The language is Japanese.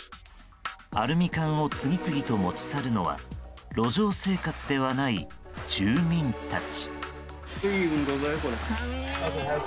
アルミ缶を次々と持ち去るのは路上生活ではない住民たち。